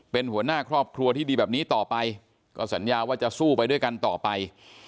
เป็นหัวหน้าครอบครัวที่ดีแบบนี้ต่อไปก็สัญญาว่าจะสู้ไปด้วยกันต่อไป